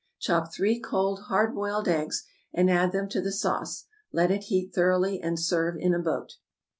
Chop three cold hard boiled eggs, and add them to the sauce; let it heat thoroughly, and serve in a boat.